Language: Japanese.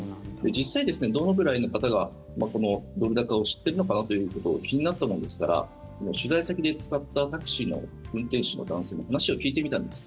実際、どのぐらいの方がこのドル高を知っているのかなということを気になったものですから取材先で使ったタクシーの運転手の男性に話を聞いてみたんです。